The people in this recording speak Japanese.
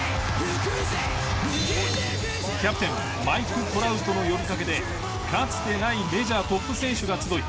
キャプテンマイク・トラウトの呼びかけでかつてないメジャートップ選手が集い